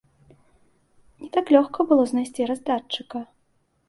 Не так лёгка было знайсці раздатчыка.